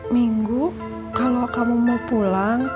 minggu kalau kamu mau pulang